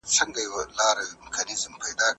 څېړونکی د متن ژبه څنګه ارزوي؟